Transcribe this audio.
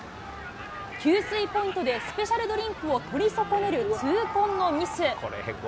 給水ポイントでスペシャルドリンクを取り損ねる痛恨のミス。